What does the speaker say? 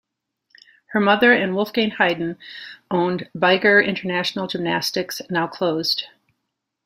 Her mother and Wolfgang Heiden owned Bieger International Gymnastics, now closed.